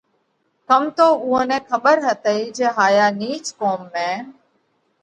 ڪم تو اُوئون نئہ کٻر هتئِي جي هائِيا نِيچ قُوم ۾